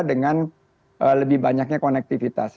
dengan lebih banyaknya konektivitas